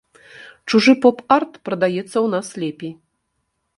Чужы поп-арт прадаецца ў нас лепей.